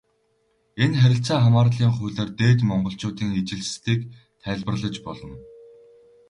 Энэ харилцаа хамаарлын хуулиар Дээд Монголчуудын ижилслийг тайлбарлаж болно.